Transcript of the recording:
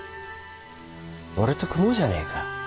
俺と組もうじゃねえか。